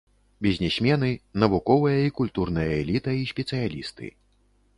Бізнесмены, навуковая і культурная эліта і спецыялісты.